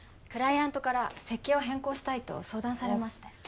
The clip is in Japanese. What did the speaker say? クライアントから設計を変更したいと相談されまして。